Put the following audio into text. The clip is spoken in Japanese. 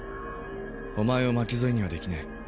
「おまえを巻き添えにはできない」